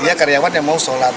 dia karyawan yang mau sholat